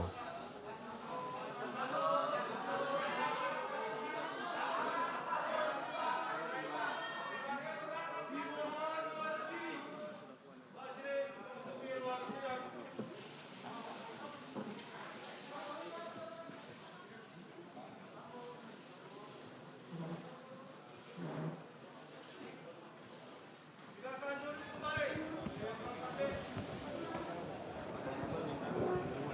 silakan juri kembali